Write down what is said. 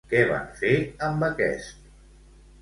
Què van fer amb aquest?